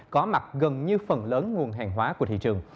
có mặt gần như phần lớn nguồn hàng hóa của thị trường